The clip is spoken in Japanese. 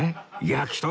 焼き鳥？